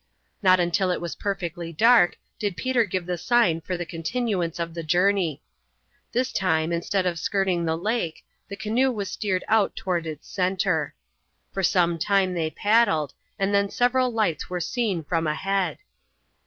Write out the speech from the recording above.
Not until it was perfectly dark did Peter give the sign for the continuance of the journey. This time, instead of skirting the lake, the canoe was steered out toward its center. For some time they paddled, and then several lights were seen from ahead.